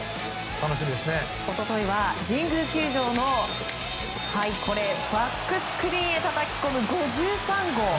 一昨日は神宮球場のバックスクリーンへたたき込む５３号。